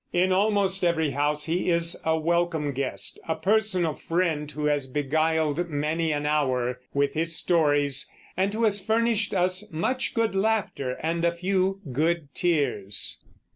In almost every house he is a welcome guest, a personal friend who has beguiled many an hour with his stories, and who has furnished us much good laughter and a few good tears.